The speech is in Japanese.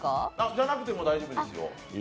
じゃなくても大丈夫ですよ。